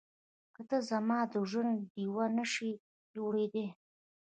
که ته زما د ژوند ډيوه نه شې جوړېدای.